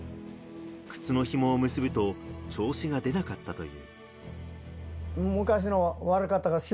靴の紐を結ぶと調子が出なかったという。